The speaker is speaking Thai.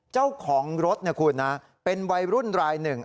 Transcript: เจ้าของรถนะคุณนะเป็นวัยรุ่นรายหนึ่ง